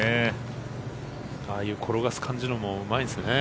ああいう転がす感じのもうまいです。